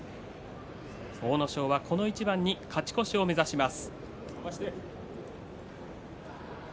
阿武咲はこの一番に勝ち越しを目指します。